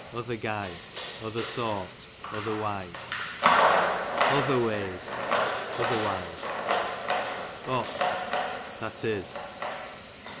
other guise, other sort, otherwise. Otherwe}s, otherwise. OtB, that is.